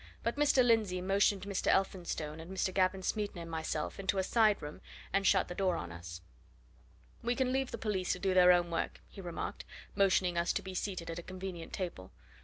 But Mr. Lindsey motioned Mr. Elphinstone, and Mr. Gavin Smeaton, and myself into a side room and shut the door on us. "We can leave the police to do their own work," he remarked, motioning us to be seated at a convenient table.